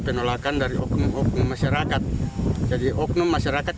penolakan dari hukum hukum masyarakat